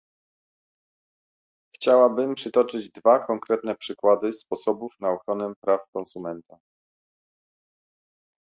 Chciałabym przytoczyć dwa konkretne przykłady sposobów na ochronę praw konsumenta